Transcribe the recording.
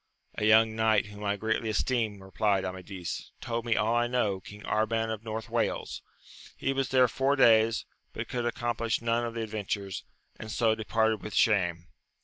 A young knight whom I greatly esteem, replied Amadis, told me all I know; King Arban of North Wales : he was there four days, but could accomplish none of the adventures, and so departed with shame.